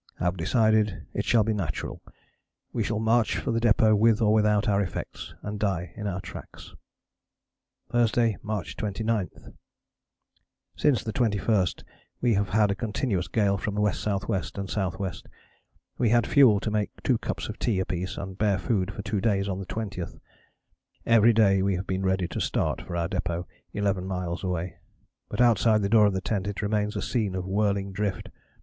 Have decided it shall be natural we shall march for the depôt with or without our effects and die in our tracks." "Thursday, March 29. Since the 21st we have had a continuous gale from W.S.W. and S.W. We had fuel to make two cups of tea apiece and bare food for two days on the 20th. Every day we have been ready to start for our depôt 11 miles away, but outside the door of the tent it remains a scene of whirling drift.